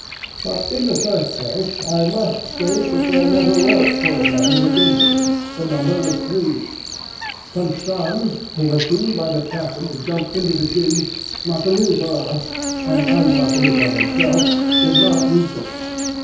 But in the first place I must state that there never were four men in the dingey,—the number was three. Constans, who was "seen by the captain to jump into the gig," luckily for us and unluckily for himself did not reach us.